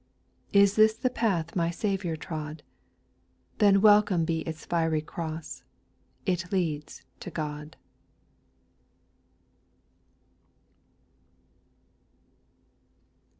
Is this the path My Saviour trod ? Then welcome be its fiery cross ; It leads to God.